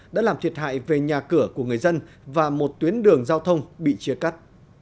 đã làm thiệt hại về nhà cửa của người dân và một tuyến đường giao thông bị chia cắt